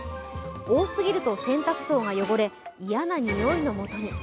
多すぎると洗濯槽が汚れ嫌な臭いのもとに。